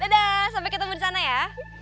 dadah sampai ketemu disana ya